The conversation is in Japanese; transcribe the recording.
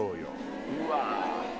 うわ。